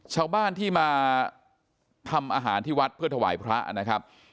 ชาวบ้านที่มาทำอาหารที่วัดเพื่อถวายพระนะครับ